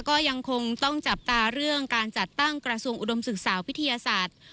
ก็ยังคงต้องจับตาเรื่องการจัดตั้งกระทรวงอุดมศึกษาวิทยาศาสตร์